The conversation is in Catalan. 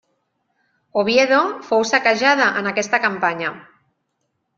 Oviedo fou saquejada en aquesta campanya.